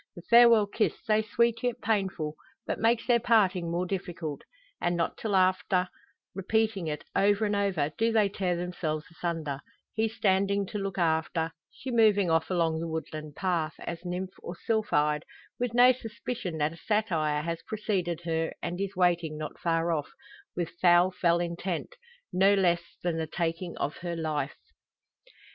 The farewell kiss, so sweet yet painful, but makes their parting more difficult; and, not till after repeating it over and over, do they tear themselves asunder he standing to look after, she moving off along the woodland path, as nymph or sylphide, with no suspicion that a satyr has preceded her and is waiting not far off, with foul fell intent no less than the taking of her life.